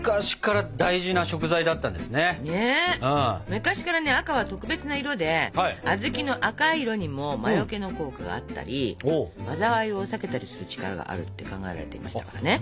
昔からね「赤」は特別な色で小豆の赤い色にも魔よけの効果があったり災いを避けたりする力があるって考えられていましたからね。